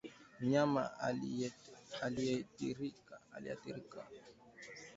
mnyama aliyeathirika